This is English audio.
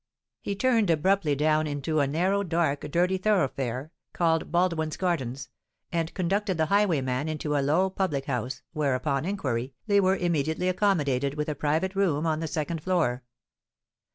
He turned abruptly down into a narrow, dark, dirty thoroughfare, called Baldwin's Gardens, and conducted the highwayman into a low public house, where, upon inquiry, they were immediately accommodated, with a private room on the second floor.